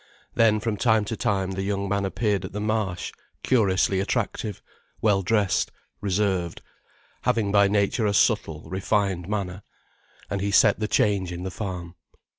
Then from time to time the young man appeared at the Marsh, curiously attractive, well dressed, reserved, having by nature a subtle, refined manner. And he set the change in the farm.